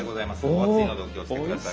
お熱いのでお気をつけ下さい。